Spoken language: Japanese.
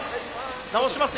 「直します」